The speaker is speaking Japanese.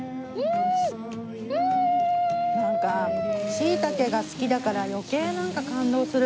しいたけが好きだから余計なんか感動する。